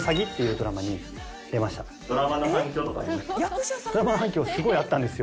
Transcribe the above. ドラマの反響すごいあったんですよ。